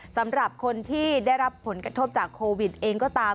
สำหรับคนที่ได้รับผลกระทบจากโควิดเองก็ตาม